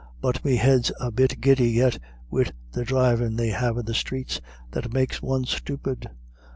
But me head's a bit giddy yet wid the drivin' they have in the streets, that makes one stupid.